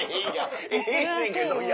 ええねんけどいや